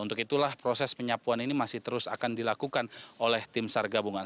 untuk itulah proses penyapuan ini masih terus akan dilakukan oleh tim sar gabungan